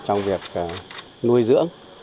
trong việc nuôi dưỡng